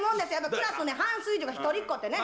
クラスの半数以上が一人っ子ってね。